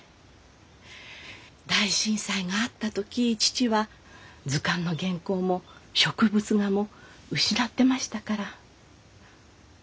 大震災があった時父は図鑑の原稿も植物画も失ってましたから。